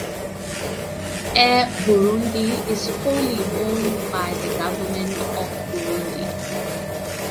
Air Burundi is wholly owned by the government of Burundi.